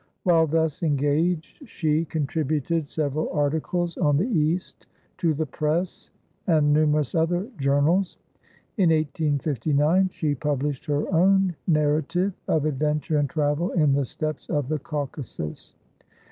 While thus engaged, she contributed several articles on the East to the Presse and numerous other journals. In 1859 she published her own narrative of adventure and travel in the steppes of the Caucasus.